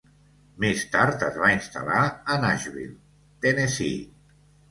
Més tard es va instal·lar a Nashville, Tennessee.